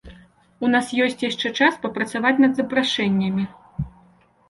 У нас ёсць яшчэ час папрацаваць над запрашэннямі.